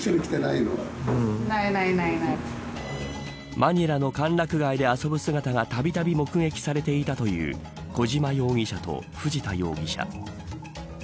マニラの歓楽街で遊ぶ姿がたびたび目撃されていたという小島容疑者と藤田容疑者。